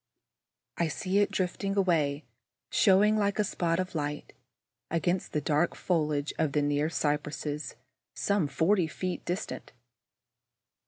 I see it drifting away, showing, like a spot of light, against the dark foliage of the near cypresses, some forty feet distant.